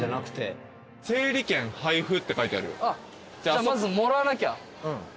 じゃあまずもらわなきゃ。